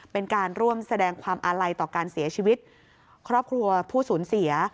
เป็นการร่วมแสดงความอาลัยต่อการเสียชีวิตครอบครัวผู้สูญเสีย